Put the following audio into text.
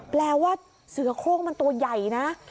แปลว่าเสือโค้งมันตัวใหญ่นะ